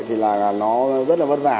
thì là nó rất là vất vả